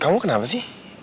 kamu kenapa sih